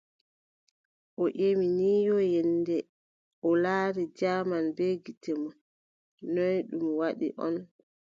O ƴemi ni yo, yennde o laari jaman bee gite mon ,noy ɗum waɗi on ?